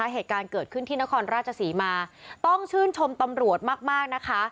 เหตุการณ์เกิดขึ้นที่นครราชศรีมาต้องชื่นชมตำรวจมากนะคะ